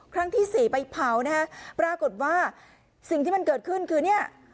ครั้งที่สี่ไปเผานะฮะปรากฏว่าสิ่งที่มันเกิดขึ้นคือเนี่ย